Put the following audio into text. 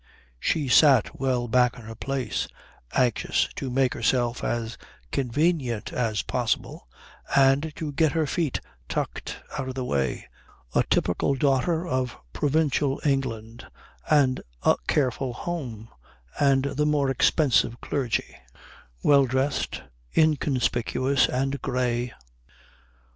She sat well back in her place, anxious to make herself as convenient as possible and to get her feet tucked out of the way, a typical daughter of provincial England and a careful home and the more expensive clergy, well dressed, inconspicuous, and grey.